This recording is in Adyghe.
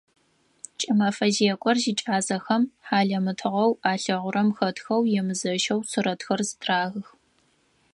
Кӏымэфэ зекӏор зикӏасэхэм хьалэмэтыгъэу алъэгъурэм хэтхэу емызэщэу сурэтхэр зытрахых.